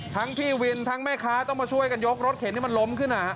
พี่วินทั้งแม่ค้าต้องมาช่วยกันยกรถเข็นที่มันล้มขึ้น